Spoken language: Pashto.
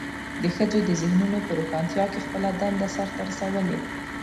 د ښځو د ذهنونو په روښانتیا کې خپله دنده سرته رسولې.